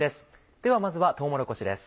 ではまずはとうもろこしです。